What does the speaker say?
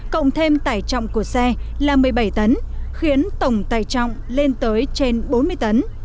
cộng thêm tải trọng của xe là một mươi bảy tấn khiến tổng tải trọng lên tới trên bốn mươi tấn